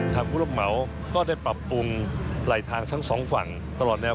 ผู้รับเหมาก็ได้ปรับปรุงไหลทางทั้งสองฝั่งตลอดแนว